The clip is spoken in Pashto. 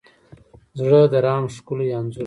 زړه د رحم ښکلی انځور دی.